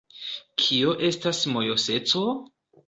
Kio estas mojoseco?